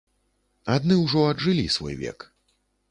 Адны ўжо аджылі свой век.